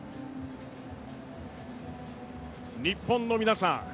日本の皆さん